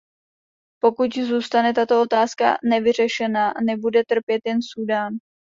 Pokud zústane tato otázka nevyřešena, nebude trpět jen Súdán.